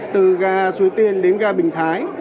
từ gà xúi tiên đến gà bình thái